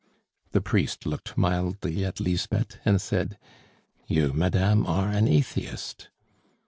The priest looked mildly at Lisbeth and said: "You, madame, are an atheist!"